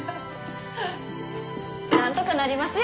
なんとかなりますよ